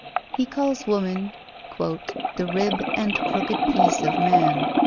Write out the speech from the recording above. He calls woman "the rib and crooked piece of man."